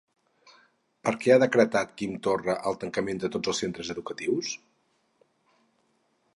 Per què ha decretat Quim Torra el tancament de tots els centres educatius?